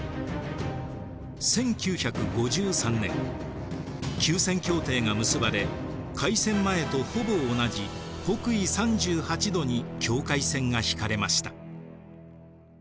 １９５３年休戦協定が結ばれ開戦前とほぼ同じ北緯３８度に境界線が引かれました。